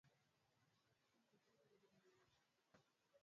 Ghafla akamkumbuka mzee Alberto Kito aliyemtembelea afajiri